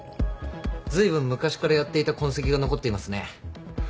ずいぶん昔からやっていた痕跡が残っていますね。